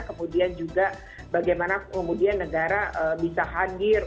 kemudian juga bagaimana kemudian negara bisa hadir